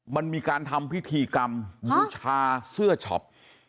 มันมีการทำพิธีกรรมบูชาเสื้อช็อป